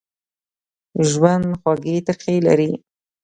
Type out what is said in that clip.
ژوند خوږې ترخې لري.